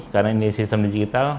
karena ini sistem digital